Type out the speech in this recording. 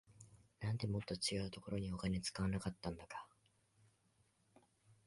なんでもっと違うところにお金使わなかったんだか